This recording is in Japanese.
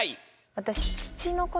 私。